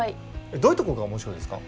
どういうとこが面白いですか？